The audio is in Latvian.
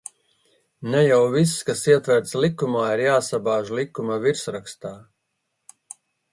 Ne jau viss, kas ietverts likumā, ir jāsabāž likuma virsrakstā.